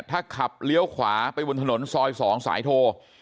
ถ้าขับเลี้ยวขวาไปบนถนนซอย๒สายโท